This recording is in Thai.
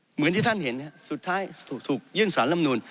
เหมือนที่ท่านเห็นสุดท้ายถูกยื่นสารลำนูน